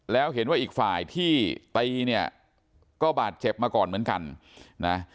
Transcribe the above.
แล้วเห็นว่าอีกฝ่ายที่ตีเนี่ยก็บาดเจ็บมาก่อนเหมือนกันนะ